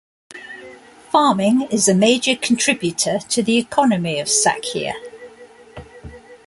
Farming is a major contributor to the economy of Sachkhere.